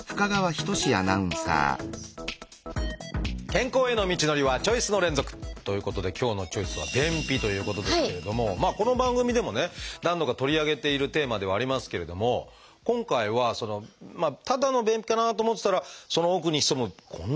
健康への道のりはチョイスの連続！ということで今日の「チョイス」はこの番組でもね何度か取り上げているテーマではありますけれども今回はただの便秘かなと思ってたらその奥に潜むこんな病気があったと。